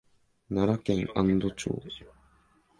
奈良県安堵町